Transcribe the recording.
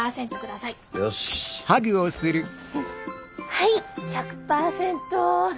はい１００％！